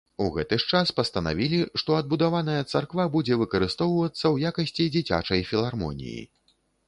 У гэты ж час пастанавілі, што адбудаваная царква будзе выкарыстоўвацца ў якасці дзіцячай філармоніі.